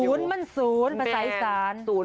มันศูนย์มันศูนย์ประสายศาล